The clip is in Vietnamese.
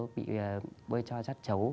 bị bơi cho rắt chấu